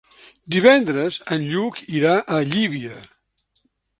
Divendres en Lluc irà a Llívia.